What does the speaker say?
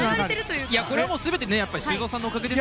これは全て修造さんのおかげですよ。